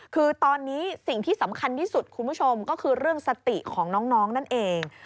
คือตอนนี้สิ่งที่สำคัญที่สุดคุณผู้ชมก็คือเรื่องสติของน้องนั่นเอง